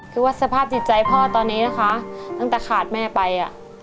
คือว่าสภาพจิตใจพ่อตอนนี้นะคะตั้งแต่ขาดแม่ไป